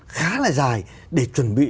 khá là dài để chuẩn bị